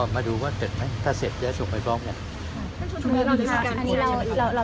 มาดูว่าเจ็บไหมถ้าเสร็จจะส่งไปปล้องอย่างนั้น